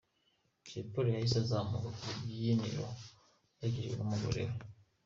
Jay Polly yahise azamuka ku rubyiniro aherekejwe n’umugore we.